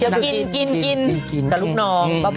เที่ยวกินกินกินกินกินกับลูกน้องป้าบ่อ